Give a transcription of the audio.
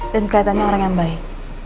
dan keliatannya orang yang baik